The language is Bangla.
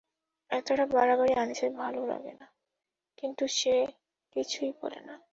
এতটা বাড়াবাড়ি আনিসের ভালো লাগে না, কিন্তু সে কিছুই বলে না।